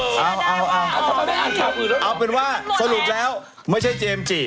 เชื่อได้ว่าเอาเอาเอาเอาเอาเป็นว่าสรุปแล้วไม่ใช่เจมส์จิ